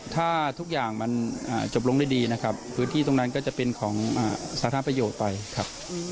ถ้าทุกอย่างมันจบลงด้วยดีนะครับพื้นที่ตรงนั้นก็จะเป็นของสาธารณประโยชน์ไปครับ